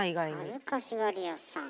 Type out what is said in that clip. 恥ずかしがり屋さん。